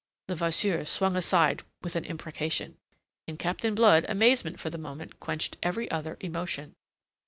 Levasseur swung aside with an imprecation. In Captain Blood, amazement for the moment quenched every other emotion.